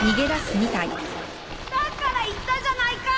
だから言ったじゃないか！